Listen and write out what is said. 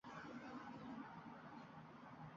Boy otadan uzr so‘ra